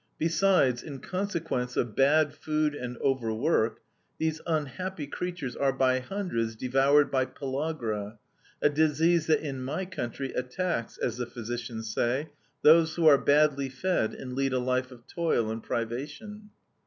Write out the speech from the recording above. Besides, in consequence of bad food and overwork, these unhappy creatures are, by hundreds, devoured by pellagra a disease that, in my country, attacks, as the physicians say, those who are badly fed and lead a life of toil and privation.